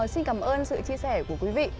xin cảm ơn sự chia sẻ của quý vị